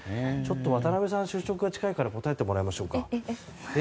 渡辺さん、就職が近いから答えてもらいましょうか。